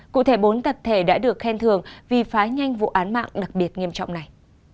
cụ thể bốn tập thể đã được khen thường vì phá nhanh vụ án mạng đặc biệt nghiêm trọng này